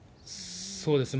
そうですね。